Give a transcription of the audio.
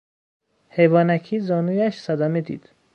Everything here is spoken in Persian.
حیوانکی زانویش صدمه دید!